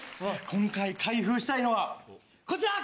今回開封したいのはこちら！